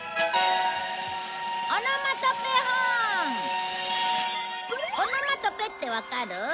オノマトペってわかる？